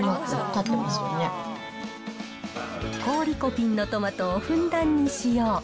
高リコピンのトマトをふんだんに使用。